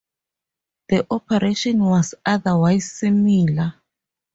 The operation was otherwise similar.